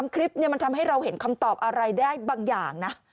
คลิปมันทำให้เราเห็นคำตอบอะไรได้บางอย่างนะ